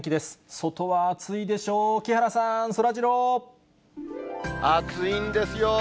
外は暑いでしょう、木原さん、暑いんですよ。